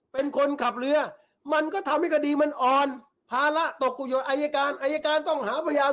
เป็นคนขับเรือมันก็ทำให้คดีมันอ่อนภาระตกกุโยชนอายการอายการต้องหาพยาน